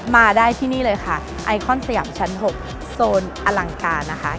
มาได้ที่นี่เลยค่ะไอคอนสยามชั้น๖โซนอลังการนะคะ